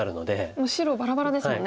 もう白バラバラですもんね。